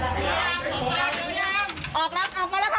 ออกแล้วออกมาแล้วค่ะผู้หญิงอยู่ในนี้ค่ะ